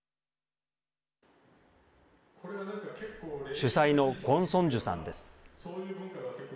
主催のクォン・ソンジュさんです。